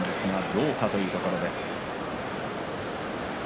どうかというところです。